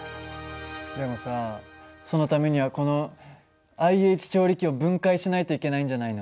でもさそのためにはこのＩＨ調理器を分解しないといけないんじゃないの？